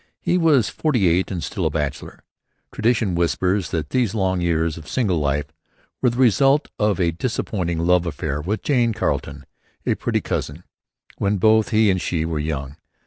He was forty eight and still a bachelor. Tradition whispers that these long years of single life were the result of a disappointing love affair with Jane Carleton, a pretty cousin, when both he and she were young.